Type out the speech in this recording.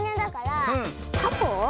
タコ？